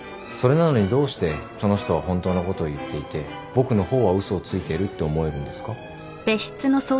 それなのにどうしてその人は本当のことを言っていて僕の方は嘘をついているって思えるんですか？